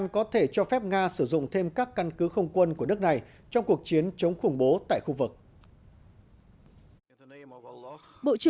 kế hoạch mở rộng các căn cứ không quân của nước này trong cuộc chiến chống khủng bố tại khu vực